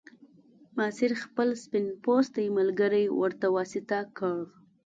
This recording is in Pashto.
ماسیر خپل سپین پوستی ملګری ورته واسطه کړ.